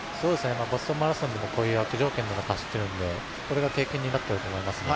ボストンマラソンでもこういう悪条件の中、走っているのでこれが経験になっていると思いますね。